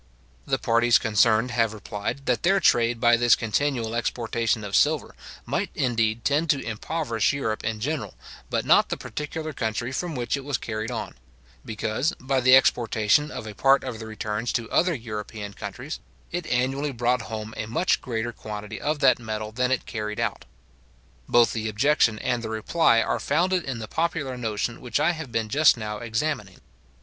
The parties concerned have replied, that their trade by this continual exportation of silver, might indeed tend to impoverish Europe in general, but not the particular country from which it was carried on; because, by the exportation of a part of the returns to other European countries, it annually brought home a much greater quantity of that metal than it carried out. Both the objection and the reply are founded in the popular notion which I have been just now examining.